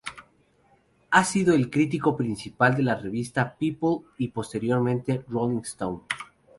Ha sido el crítico principal de las revistas "People" y, posteriormente, "Rolling Stone".